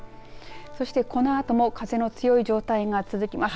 そして、このあとも風の強い状態が続きます。